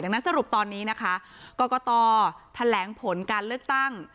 นั้นสรุปตอนนี้นะคะกรกตแถลงผลการเลือกตั้ง